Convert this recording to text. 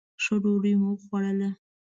ښه ډوډۍ مو وخوړله.